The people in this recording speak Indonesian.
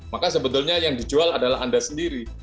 maka sebetulnya yang dijual adalah anda sendiri